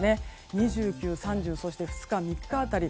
２９、３０そして２日と３日辺り。